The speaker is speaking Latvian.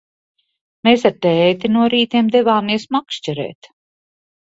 Mēs ar tēti no rītiem devāmies makšķerēt.